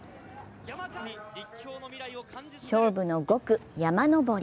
勝負の５区、山上り。